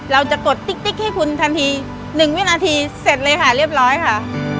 กดติ๊กให้คุณทันที๑วินาทีเสร็จเลยค่ะเรียบร้อยค่ะ